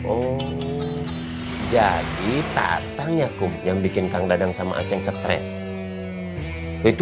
oh jadi tatangnya kum yang bikin kang dadang sama aceng stress itu